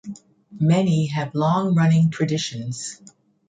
Many have long-running traditions.